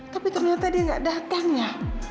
tapi ternyata dia nggak datang ya